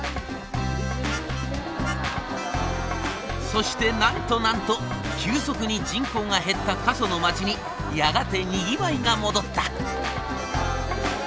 そしてなんとなんと急速に人口が減った過疎の町にやがてにぎわいが戻った。